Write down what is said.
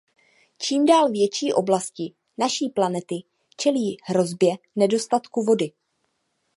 Čím dál větší oblasti naší planety čelí hrozbě nedostatku vody.